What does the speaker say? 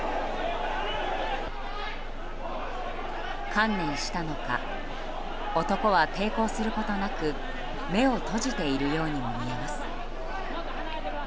観念したのか男は抵抗することなく目を閉じているようにも見えます。